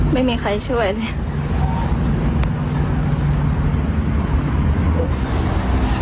ไม่มีใครช่วยเลย